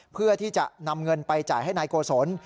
เพื่อที่จะนำเงินไปจ่ายให้นายโกศล